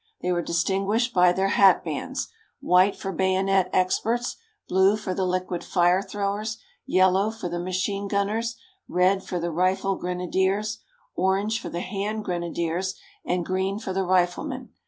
They were distinguished by their hat bands: white for bayonet experts, blue for the liquid fire throwers, yellow for the machine gunners, red for the rifle grenadiers, orange for the hand grenadiers, and green for the riflemen.